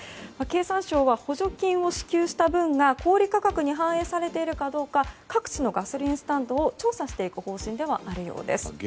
経産省は補助金を支給した分が小売価格に反映されているかどうか各地のガソリンスタンドを調査していく方針ではあるようです。